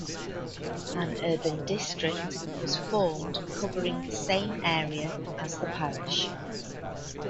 An urban district was formed covering the same area as the parish.